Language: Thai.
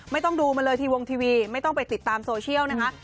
ไม่ต้องดูมาเลยทีวงทีวีไม่ต้องไปติดตามโซเชียลนะคะ